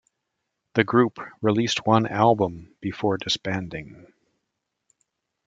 The group released one album before disbanding.